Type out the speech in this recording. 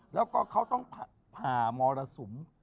แล้วก็เขาต้องผ่ามรสุม